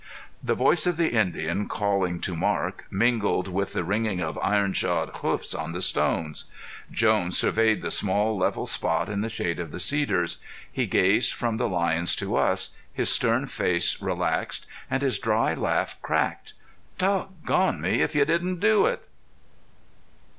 The voice of the Indian, calling to Marc, mingled with the ringing of iron shod hoofs on the stones. Jones surveyed the small level spot in the shade of the cedars. He gazed from the lions to us, his stern face relaxed, and his dry laugh cracked. "Doggone me, if you didn't do it!"